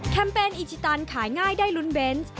เปญอิชิตันขายง่ายได้ลุ้นเบนส์